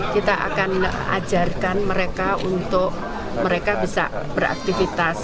kita akan ajarkan mereka untuk mereka bisa beraktivitas